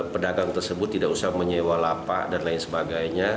pedagang tersebut tidak usah menyewa lapak dan lain sebagainya